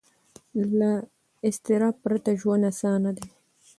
له اضطراب پرته ژوند اسانه دی.